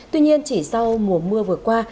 tuy nhiên chỉ sau mùa mưa vừa qua